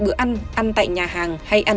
bữa ăn ăn tại nhà hàng hay ăn